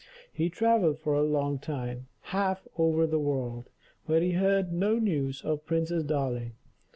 He travelled for a long time, half over the world, but he heard no news of Princess Darling.